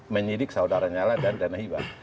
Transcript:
menyidik saudara nyala dan dana hibah